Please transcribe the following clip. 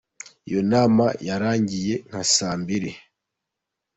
Iyo nama yarangiye nka saa mbiri.